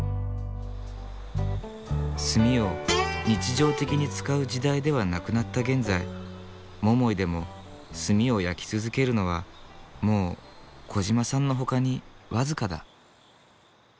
炭を日常的に使う時代ではなくなった現在百井でも炭を焼き続けるのはもう小嶋さんのほかに僅かだ。